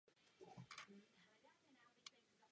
Církev má několik biskupství v čele s biskupy.